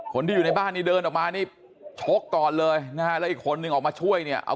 คนที่อยู่ในบ้านนี่เดินออกมานี่ชกตอนเลยนะฮะ